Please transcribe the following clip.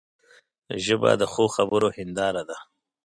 ژبه د ښو خبرو هنداره ده